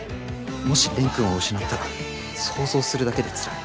もし蓮くんを失ったら想像するだけでつらい。